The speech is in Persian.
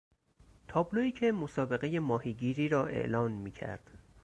تابلویی که مسابقهی ماهیگیری را اعلان میکرد